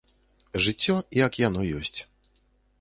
Жыццё як яно ёсць.